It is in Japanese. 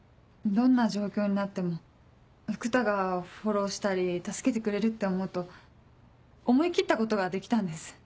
どんな状況になっても福多がフォローしたり助けてくれるって思うと思い切ったことができたんです。